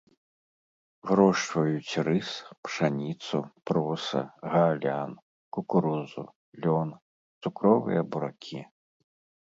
Вырошчваюць рыс, пшаніцу, проса, гаалян, кукурузу, лён, цукровыя буракі.